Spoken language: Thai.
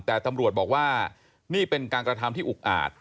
แต่ตำรวจบอกว่านี่เป็นการกระทำที่อุกอาจ